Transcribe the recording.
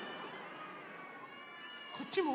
こっちも？